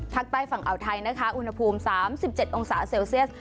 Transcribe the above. ภาคใต้ฝั่งอ่าวไทยนะคะอุณหภูมิ๓๗องศาเซลเซียส